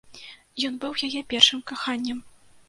Ён быў яе першым каханнем.